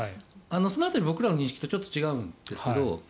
その辺り、僕らの認識とちょっと違うんですけど。